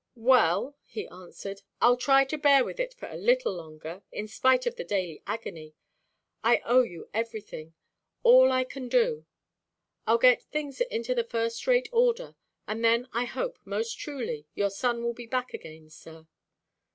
"Well," he answered, "Iʼll try to bear with it for a little longer, in spite of the daily agony. I owe you everything; all I can do. Iʼll get things all into first–rate order, and then I hope, most truly, your son will be back again, sir."